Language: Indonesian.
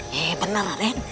iya benar raden